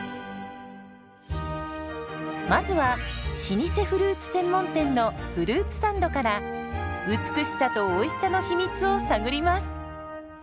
まずは老舗フルーツ専門店のフルーツサンドから美しさとおいしさの秘密を探ります。